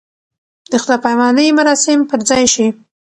د خدای پامانۍ مراسم پر ځای شي.